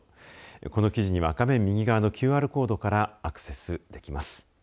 この記事には画面右側のＱＲコードからアクセスできます。